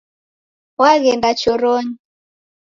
Waghenda choronyi